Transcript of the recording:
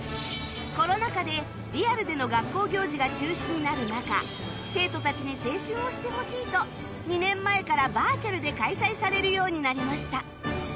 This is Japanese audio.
コロナ禍でリアルでの学校行事が中止になる中生徒たちに青春をしてほしいと２年前からバーチャルで開催されるようになりました